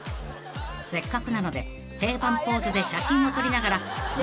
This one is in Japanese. ［せっかくなので定番ポーズで写真を撮りながら］